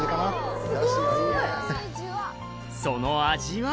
その味は？